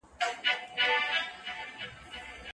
سیاسي ثبات په خلګو اغیزه کوي.